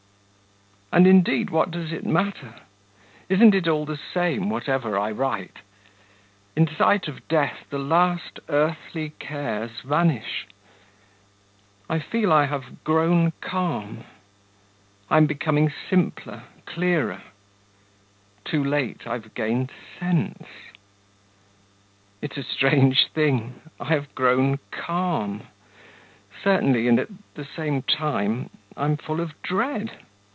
And indeed, what does it matter? Isn't it all the same whatever I write? In sight of death the last earthly cares vanish. I feel I have grown calm; I am becoming simpler, clearer. Too late I've gained sense!... It's a strange thing! I have grown calm certainly, and at the same time ... I'm full of dread.